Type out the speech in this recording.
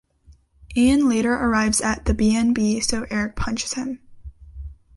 Ian later arrives at the B and B so Eric punches him.